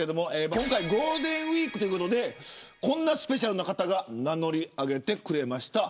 ゴールデンウイークということでこんなスペシャルな方が名乗りを挙げてくれました。